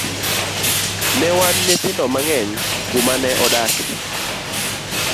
Ne wan nyithindo mang'eny kumane adake.